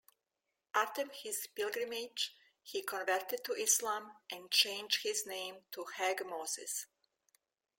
After his pilgrimage he converted to Islam and changed his name to Hag Moses.